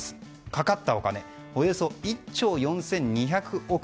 かかったお金およそ１兆４２００億円。